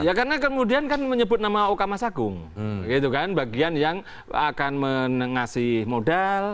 ya karena kemudian kan menyebut nama okamasagung gitu kan bagian yang akan mengasih modal